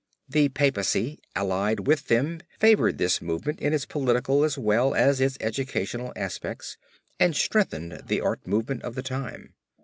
The papacy allied with them favored this movement in its political as well as its educational aspects and strengthened the art movement of the time.